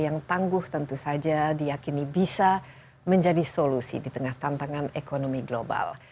yang tangguh tentu saja diakini bisa menjadi solusi di tengah tantangan ekonomi global